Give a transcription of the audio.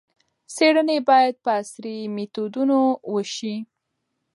څېړنې باید په عصري میتودونو وشي.